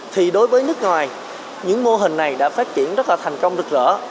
thì đối với nước ngoài những mô hình này đã phát triển rất là thành công rực rỡ